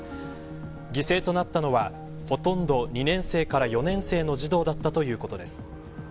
犠牲となったのはほとんど２年生から４年生の児童だったということです。